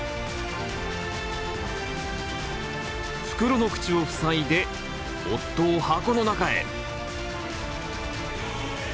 袋の口を塞いで夫を箱の中へ。